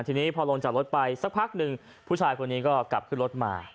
ทีนี้พอลงจากรถไปสักพักหนึ่งผู้ชายคนนี้ก็กลับขึ้นรถมา